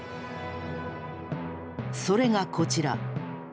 それがこちら。